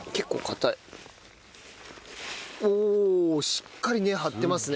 おおしっかり根張ってますね。